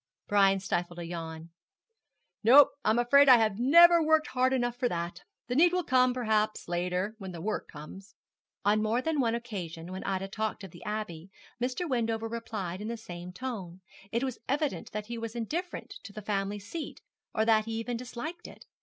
Brian stifled a yawn. 'No; I'm afraid I have never worked hard enough for that. The need will come, perhaps, later when the work comes.' On more than one occasion when Ida talked of the Abbey, Mr. Wendover replied in the same tone. It was evident that he was indifferent to the family seat, or that he even disliked it.